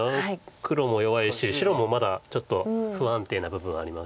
黒も弱いし白もまだちょっと不安定な部分ありますし。